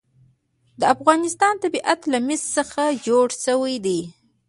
د افغانستان طبیعت له مس څخه جوړ شوی دی.